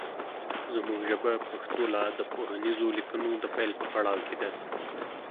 زمونږ ژبه پښتو لا د پوهنیزو لیکنو د پیل په پړاو کې ده